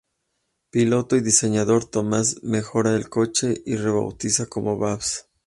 Piloto y diseñador, Thomas mejoró el coche y lo rebautizó como "Babs".